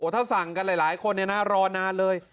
ถ้าสั่งกันหลายคนรอนานเลย